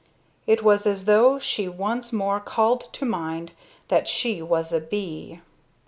It was as though she once more called to mind that she was a bee.